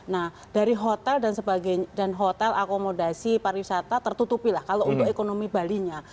nah dari hotel dan sebagainya dan hotel akomodasi pariwisata tertutupi lah kalau untuk ekonomi bali nya